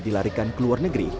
dilarikan ke luar negeri